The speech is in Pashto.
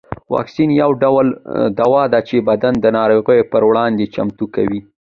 واکسین یو ډول دوا ده چې بدن د ناروغیو پر وړاندې چمتو کوي